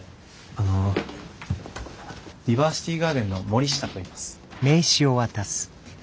あのディバーシティガーデンの森下といいます。